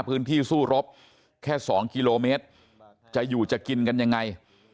สู้รบแค่๒กิโลเมตรจะอยู่จะกินกันยังไง